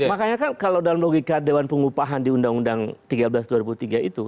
makanya kan kalau dalam logika dewan pengupahan di undang undang tiga belas dua ribu tiga itu